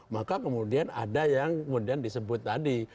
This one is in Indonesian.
maka kemudian ada yang kemudian disebut tadi